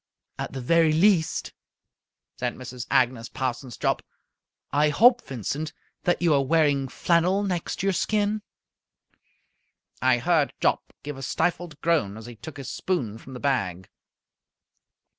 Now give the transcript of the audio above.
"At the very least," said Mrs. Agnes Parsons Jopp, "I hope, Vincent, that you are wearing flannel next your skin." I heard Jopp give a stifled groan as he took his spoon from the bag.